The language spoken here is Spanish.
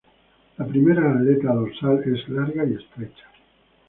La primera aleta dorsal es larga y estrecha.